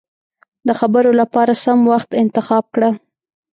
د خبرو له پاره سم وخت انتخاب کړه.